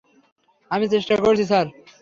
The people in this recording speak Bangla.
আমি চেষ্টা করছি, স্যার।